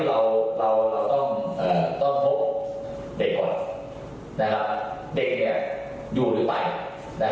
แล้วเดี๋ยวมาสรุปดูว่า